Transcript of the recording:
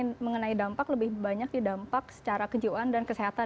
yang mengenai dampak lebih banyak dampak secara kejiwaan dan kesehatan